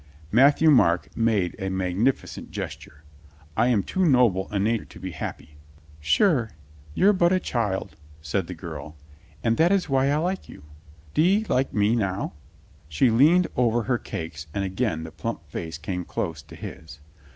Matthieu Marc made a magnificent gesture. "I am too noble a nature to be happy." "Sure, you're but a child," said the girl. "And that is why I like you. Do 'e like me, now?" She leaned over her cakes and again the plump face came close to his.